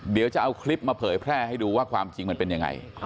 เดี๋ยวจะเอาคลิปมาเผยแพร่ให้ดูว่าความจริงมันเป็นยังไง